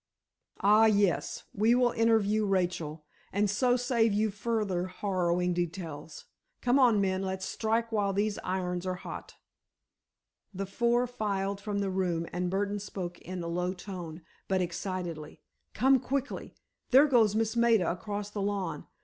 "Ah, yes; we will interview Rachel, and so save you further harrowing details. Come on, men, let's strike while these irons are hot." The four filed from the room, and Burdon spoke in a low tone, but excitedly: "Come quickly! There goes Miss Maida across the lawn.